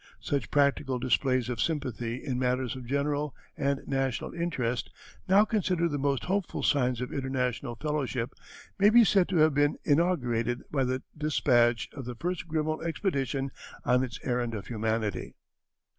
Such practical displays of sympathy in matters of general and national interest, now considered the most hopeful signs of international fellowship, may be said to have been inaugurated by the despatch of the first Grinnell expedition on its errand of humanity.